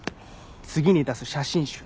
次に出す写真集の。